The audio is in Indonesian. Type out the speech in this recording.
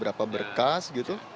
berapa berkas gitu